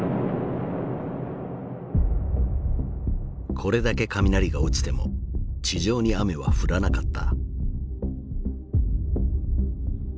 これだけ雷が落ちても地上に雨は降らなかった。